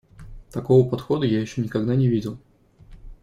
Такого подхода я ещё никогда не видел.